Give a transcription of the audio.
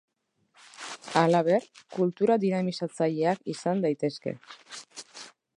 Halaber, kultura dinamizatzaileak izan daitezke.